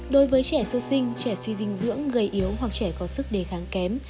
đối với trẻ sơ sinh trẻ suy dinh dưỡng gây yếu hoặc trẻ có sức đề kháng kém